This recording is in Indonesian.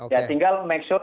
ya tinggal make sure